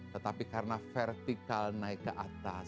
tetapi karena vertikal naik ke atas